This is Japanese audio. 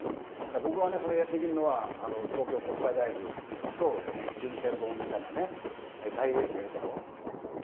僕はね、それができるのは、東京国際大学と順天堂みたいなね、大エースがいるところ。